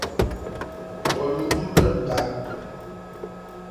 o lu m-bilinda.